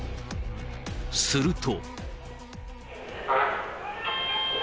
すると。